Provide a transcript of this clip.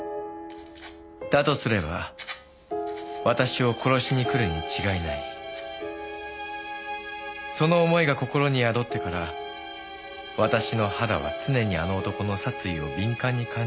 「だとすれば私を殺しに来るに違いない」「その思いが心に宿ってから私の肌は常にあの男の殺意を敏感に感じとっている」